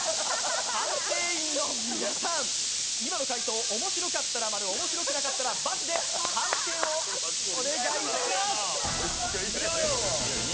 判定員の皆さん、今の回答面白かったら○、面白くなかったら×でお願いします。